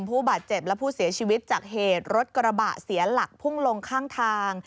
ผู้บาดเจ็บและผู้เสียชีวิตจากเหตุรถกระบะเสียหลักพุ่งลงข้างทาง